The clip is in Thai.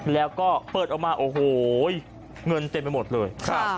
แล้วก็เปิดออกมาโอ้โหเงินเต็มไปหมดเลย